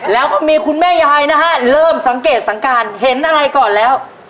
แล้วก็มีคุณแม่ยายนะฮะเริ่มสังเกตสังการเห็นอะไรก่อนแล้ว